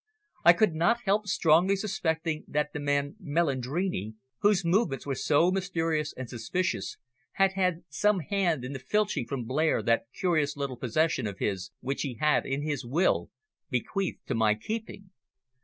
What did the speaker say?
I could not help strongly suspecting that the man Melandrini, whose movements were so mysterious and suspicious, had had some hand in filching from Blair that curious little possession of his which he had, in his will, bequeathed to my keeping.